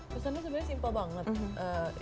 pesannya sebenarnya simpel banget